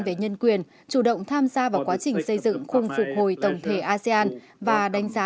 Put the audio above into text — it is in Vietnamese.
về nhân quyền chủ động tham gia vào quá trình xây dựng khung phục hồi tổng thể asean và đánh giá